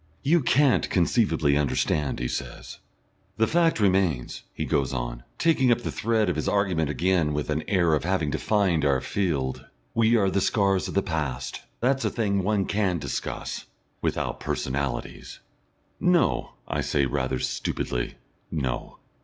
"You can't conceivably understand," he says. "The fact remains," he goes on, taking up the thread of his argument again with an air of having defined our field, "we are the scars of the past. That's a thing one can discuss without personalities." "No," I say rather stupidly, "no."